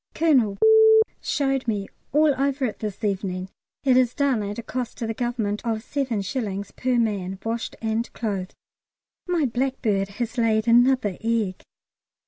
Colonel showed me all over it this evening. It is done at a cost to the Government of 7d. per man, washed and clothed. My blackbird has laid another egg.